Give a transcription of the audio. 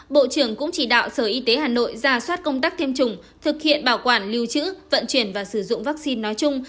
bộ trưởng cũng chỉ đạo sở y tế hà nội ra soát công tác tiêm chủng thực hiện bảo quản lưu trữ vận chuyển và sử dụng vaccine nói chung